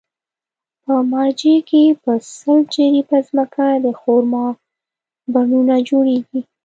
په مارجې کې په سل جریبه ځمکه د خرما پڼونه جوړېږي.